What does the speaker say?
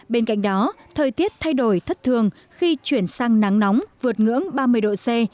bên cạnh đó thời tiết thay đổi thất thường khi chuyển sang nắng nóng vượt ngưỡng ba mươi độ c